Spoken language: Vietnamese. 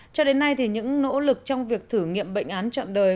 cho đến nay thì những nỗ lực trong việc thử nghiệm bệnh án chọn đời